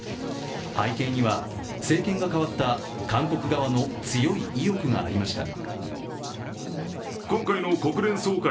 背景には政権が変わった韓国側の強い意欲がありました。